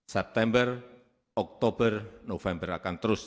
september oktober november akan terus